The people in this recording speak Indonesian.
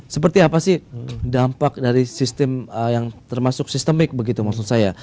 seperti apa sih dampak dari sistem yang termasuk sistemik begitu maksud saya